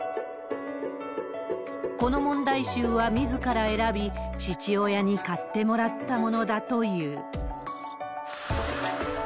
この問題集はみずから選び、父親に勝ってもらったものだという。